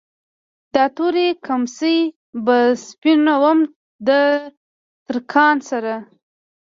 دا تورې کمڅۍ به سپينومه د ترکان سره